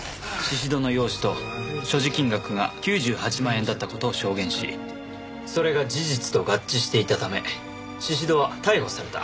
宍戸の容姿と所持金額が９８万円だった事を証言しそれが事実と合致していたため宍戸は逮捕された。